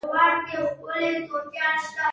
د ښو دوستانو مرسته د ستونزو حل اسانوي.